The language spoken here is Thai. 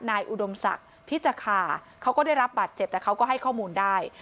อุดมศักดิ์พิจคาเขาก็ได้รับบาดเจ็บแต่เขาก็ให้ข้อมูลได้